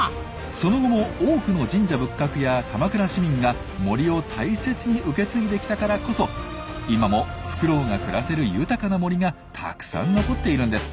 その後も多くの神社仏閣や鎌倉市民が森を大切に受け継いできたからこそ今もフクロウが暮らせる豊かな森がたくさん残っているんです。